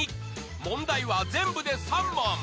問題は全部で３問